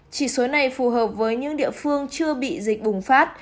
chỉ số này phù hợp với những địa phương chưa bị dịch bùng phát